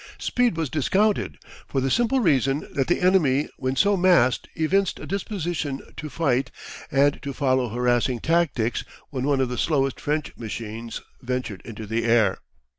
Speed was discounted, for the simple reason that the enemy when so massed evinced a disposition to fight and to follow harassing tactics when one of the slowest French machines ventured into the air.